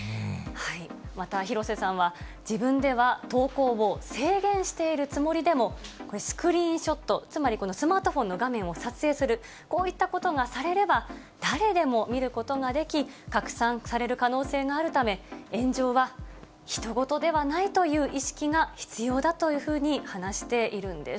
また、廣瀬さんは自分では投稿を制限しているつもりでも、スクリーンショット、つまりスマートフォンの画面を撮影する、こういったことがされれば、誰でも見ることができ、拡散される可能性があるため、炎上はひと事ではないという意識が必要だというふうに話しているんです。